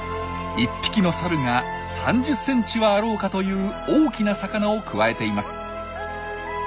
１匹のサルが３０ｃｍはあろうかという大きな魚をくわえています。